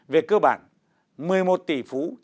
về cơ bản một mươi một tỷ phú triệu phú đã phân chia chia sẻ